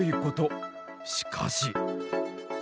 しかし。